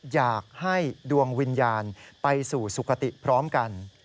อยากให้ดวงวิญญาณไปสู่สุขติพร้อมกัน